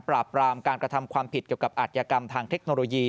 ปราบปรามการกระทำความผิดเกี่ยวกับอาจยากรรมทางเทคโนโลยี